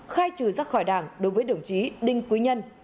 khai trừ rắc khỏi đảng đối với đồng chí đinh quý nhân